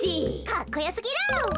かっこよすぎる。